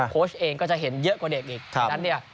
โค้ชเองก็จะเห็นเยอะกว่าเด็กอีกฉะนั้นเนี่ย